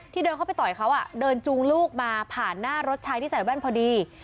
เดินเข้าไปต่อยเขาเดินจูงลูกมาผ่านหน้ารถชายที่ใส่แว่นพอดี